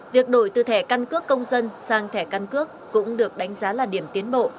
việc đổi từ thẻ căn cước công dân sang thẻ căn cước cũng được đánh giá là điểm tiến bộ